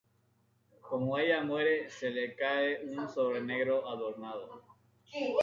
Como ella muere, se le cae un sobre negro adornado.